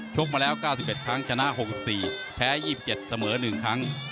ชกมาแล้ว๙๑ครั้งชนะ๖๔ครั้งเส้๒๗ครั้งเสมอ๑ครั้ง